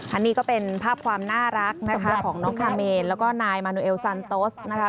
อันนี้ก็เป็นภาพความน่ารักนะคะของน้องคาเมนแล้วก็นายมานูเอลซันโตสนะคะ